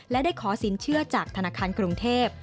และได้ขอสินเชื่อจากธนาคารกรุงเทพ